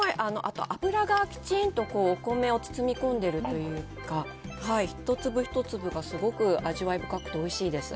油がきちんとお米を包み込んでるというか、一粒一粒がすごく味わい深くておいしいです。